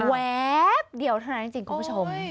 แวบเดียวเท่านั้นจริงคุณผู้ชม